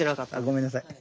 ごめんなさい。